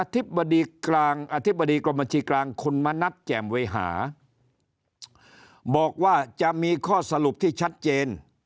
ธิบดีกลางอธิบดีกรมบัญชีกลางคุณมณัฐแจ่มเวหาบอกว่าจะมีข้อสรุปที่ชัดเจน